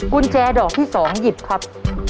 กุญแจดอกที่๒หยิบครับ